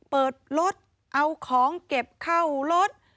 เปิดรถเอาของเก็บเข้ารถ